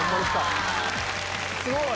すごい。